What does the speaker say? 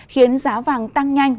khiến giá vàng tăng nhanh